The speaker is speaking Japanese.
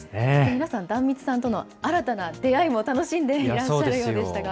皆さん、壇蜜さんとの新たな出会いも楽しんでいらっしゃるようでしたが。